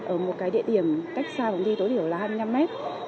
ở một cái địa điểm cách xa phòng thi tối điểm là hai mươi năm mét